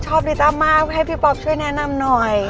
ลิต้ามากให้พี่ป๊อปช่วยแนะนำหน่อย